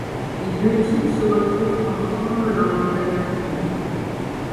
Les deux types se retrouvent ensemble dans les feuilles imprimées.